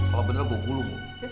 kalau bener gue ngulung